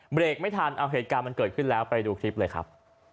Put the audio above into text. เบรกไม่ทันเอาเหตุการณ์มันเกิดขึ้นแล้วไปดูคลิปเลยครับ